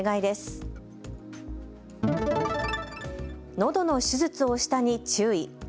のどの手術をしたに注意。